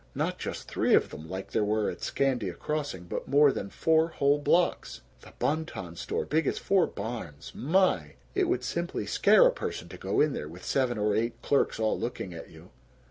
Not just three of them, like there were at Scandia Crossing, but more than four whole blocks! The Bon Ton Store big as four barns my! it would simply scare a person to go in there, with seven or eight clerks all looking at you.